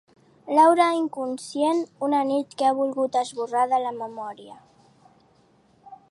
Laura inconscient una nit que ha volgut esborrar de la memòria.